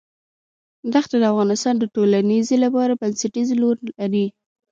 دښتې د افغانستان د ټولنې لپاره بنسټيز رول لري.